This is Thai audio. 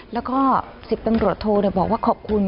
แล้วก็๑๐ตำรวจโทบอกว่าขอบคุณ